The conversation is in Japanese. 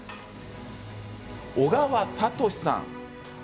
小川哲さんです。